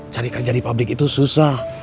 cari kerja di pabrik itu susah